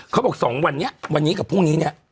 เขาบอก๒วันนี้วันนี้กับพรุ่งนี้เนี่ย